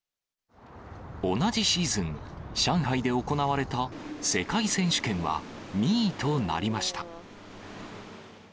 同じシーズン、上海で行われた世界選手権は２位となりました。